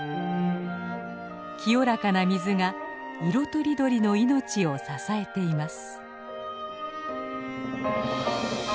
清らかな水が色とりどりの命を支えています。